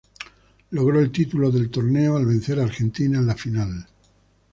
Logró el título del torneo al vencer a Argentina en la final.